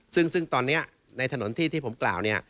ซึ่งตอนนี้ในถนนที่ผมกล่าวเนี่ย